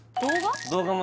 動画？